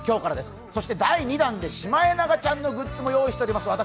そして第２弾でシマエナガちゃんのグッズも用意しています。